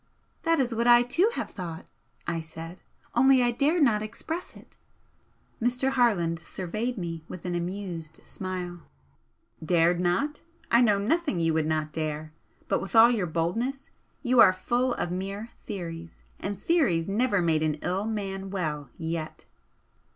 "That is what I, too, have thought," I said "only I dared not express it!" Mr. Harland surveyed me with an amused smile. "Dared not! I know nothing you would not dare! but with all your boldness, you are full of mere theories, and theories never made an ill man well yet."